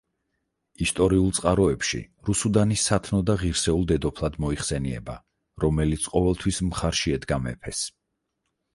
ისტორიულ წყაროებში რუსუდანი სათნო და ღირსეულ დედოფლად მოიხსენიება, რომელიც ყოველთვის მხარში ედგა მეფეს.